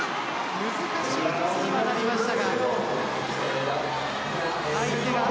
難しいトスになりました。